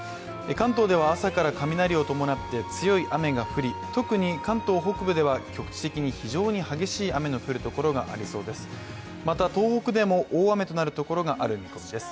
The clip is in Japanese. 関東では朝から雷を伴って強い雨が降り特に関東北部では局地的に非常に激しい雨の降るところがありそうです。